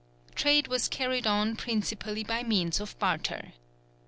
Trade was carried on principally by means of barter.